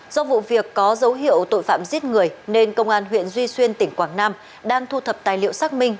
do vụ việc có dấu hiệu tội phạm giết người nên công an huyện duy xuyên tỉnh quảng nam đang thu thập tài liệu xác minh